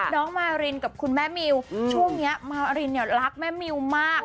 น้องมารินกับคุณแม่มิวช่วงนี้มาวรินเนี่ยรักแม่มิวมาก